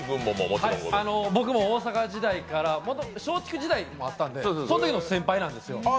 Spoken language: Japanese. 僕も大阪時代から、松竹時代もあったんでそのときの先輩なんですよ